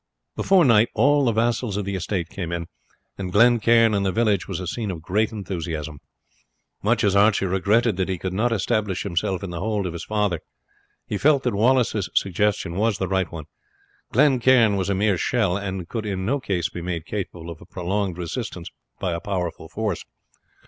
Before night all the vassals of the estate came in, and Glen Cairn and the village was a scene of great enthusiasm. Much as Archie regretted that he could not establish himself in the hold of his father, he felt that Wallace's suggestion was the right one. Glen Cairn was a mere shell, and could in no case be made capable of a prolonged resistance by a powerful force.